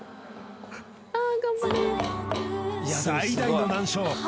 最大の難所